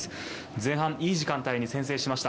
前半、いい時間帯に先制しました。